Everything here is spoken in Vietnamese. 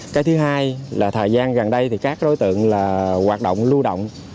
cái thứ hai là thời gian gần đây thì các đối tượng là hoạt động lưu động